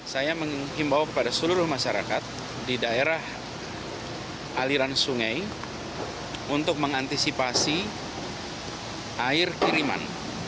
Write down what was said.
saya mengimbau kepada seluruh masyarakat di daerah aliran sungai untuk mengantisipasi air kiriman